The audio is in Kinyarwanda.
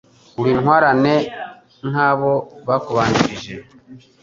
Uri intwarane nka bo, bakubanjirij